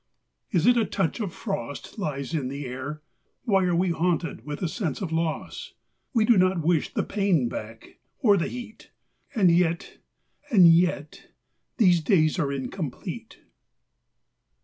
Is it a touch of frost lies in the air? Why are we haunted with a sense of loss? We do not wish the pain back, or the heat; And yet, and yet, these days are incomplete.